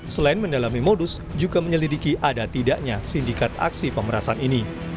selain mendalami modus juga menyelidiki ada tidaknya sindikat aksi pemerasan ini